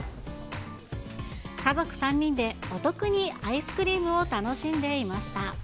家族３人でお得にアイスクリームを楽しんでいました。